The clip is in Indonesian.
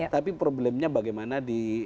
tapi problemnya bagaimana di